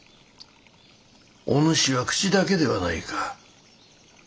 お主は口だけではないか。